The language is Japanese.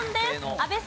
阿部さん。